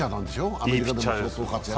アメリカで相当活躍した。